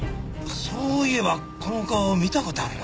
そういえばこの顔見た事あるな。